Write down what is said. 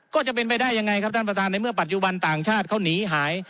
ก็จะเป็นไปได้ยังไงครับท่านประธานในเมื่อปัจจุบันต่างชาติเขาหนีหาย